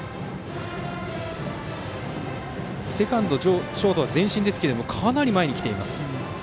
セカンド、ショートは前進ですがかなり前に来ています。